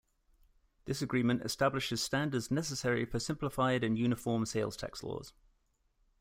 This agreement establishes standards necessary for simplified and uniform sales tax laws.